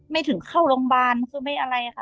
ไม่ถึงเข้าโรงพยาบาลคือไม่อะไรค่ะ